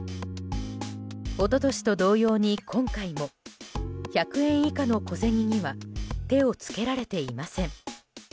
一昨年と同様に今回も１００円以下の小銭には手を付けられていません。